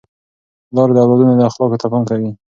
پلار د اولادونو اخلاقو ته پام کوي.